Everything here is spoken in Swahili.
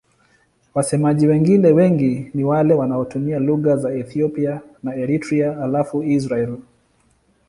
Wasemaji wengine wengi ni wale wanaotumia lugha za Ethiopia na Eritrea halafu Israel.